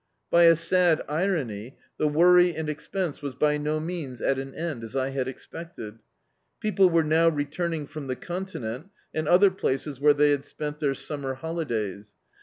By a sad irwiy, the worry and expense was by no means at an end, as I had expected. People were now retuming from the ccmtinent, and other places where they had spent their summer holidays.